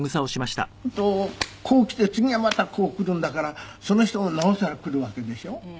するとこうきて次がまたこうくるんだからその人もなおさらくるわけでしょ。